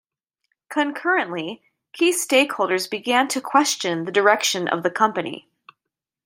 Concurrently, key stakeholders began to question the direction of the company.